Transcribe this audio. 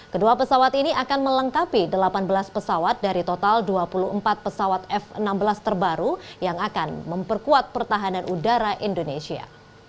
kedua pesawat ini akan melengkapi delapan belas pesawat dari total dua puluh empat pesawat f enam belas terbaru yang akan memperkuat pertahanan udara indonesia